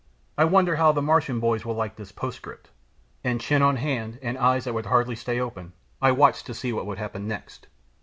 I wonder how the Martian boys will like this postscript," and chin on hand, and eyes that would hardly stay open, I watched to see what would happen next.